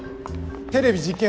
テレビ実験